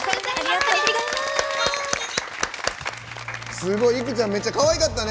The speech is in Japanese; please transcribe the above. すごい、いくちゃんめっちゃかわいかったね。